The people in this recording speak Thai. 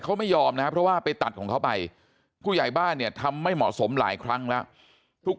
เขาไม่ยอมนะครับเพราะว่าไปตัดของเขาไปผู้ใหญ่บ้านเนี่ยทำไม่เหมาะสมหลายครั้งแล้วทุก